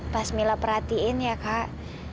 pas mila perhatiin ya kak